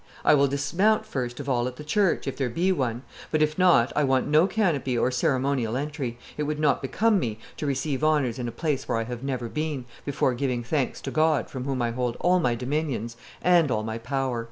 "I will dismount first of all at the church, if there be one; but, if not, I want no canopy or ceremonial entry; it would not become me to receive honors in a place where I have never been, before giving thanks to God, from whom I hold all my dominions and all my power."